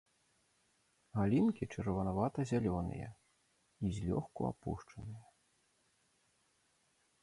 Галінкі чырванавата-зялёныя і злёгку апушчаныя.